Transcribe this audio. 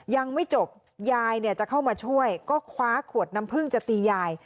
ยังไม่จบยายเนี่ยจะเข้ามาช่วยก็คว้าขวดน้ำพึ่งจะตียาย